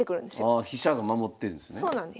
ああ飛車が守ってるんですね。